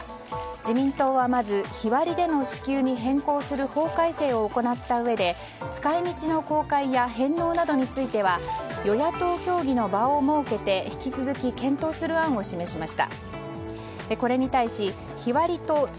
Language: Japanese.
自民党はまず日割りでの支給に変更する法改正を行ったうえで、使い道の公開や返納などについては与野党協議の場を設けて引き続き検討する案を示しました。